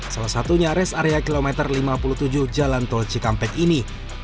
salah satunya res area kilometer lima puluh tujuh jalan tol cikampek ini